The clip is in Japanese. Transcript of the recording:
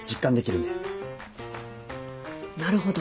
なるほど。